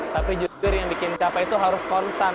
tapi jujur yang bikin capek itu harus konsen